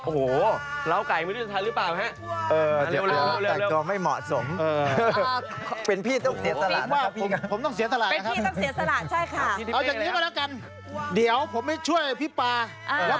โอ้โหเราเอาไก่ไม่ได้ทานหรือเปล่านะ